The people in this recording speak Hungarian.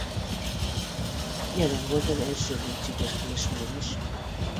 Jelen volt az első bécsi döntésnél is.